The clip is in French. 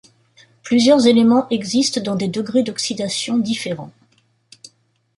Plusieurs éléments existent dans des degrés d'oxydation différents.